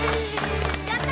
やった！